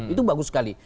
itu bagus sekali